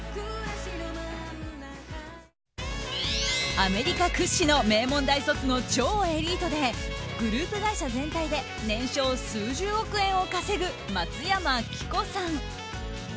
アメリカ屈指の名門大卒の超エリートでグループ会社全体で年商数十億円を稼ぐ松山記子さん。